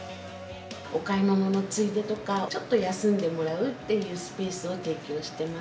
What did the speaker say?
お買い物のついでとか、ちょっと休んでもらうっていうスペースを提供してます。